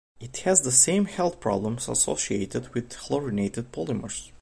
It has the same health problems associated with chlorinated polymers.